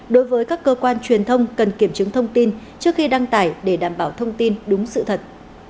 đối với các cơ quan truyền thông cần kiểm chứng thông tin trước khi đăng tải để đảm bảo thông tin đúng sự thật